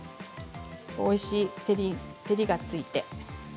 おいしい照りがついて。